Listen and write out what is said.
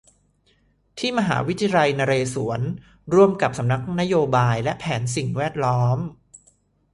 ที่มหาวิทยาลัยนเรศวรร่วมกับสำนักงานนโยบายและแผนสิ่งแวดล้อม